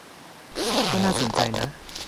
ก็น่าสนใจนะ